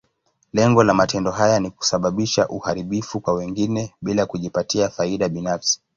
Lengo la matendo haya ni kusababisha uharibifu kwa wengine, bila kujipatia faida binafsi.